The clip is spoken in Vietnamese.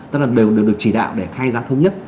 tức là đều được chỉ đạo để khai giá thống nhất